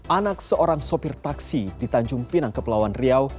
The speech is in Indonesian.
anak seorang sopir taksi di tanjung pinang kepulauan riau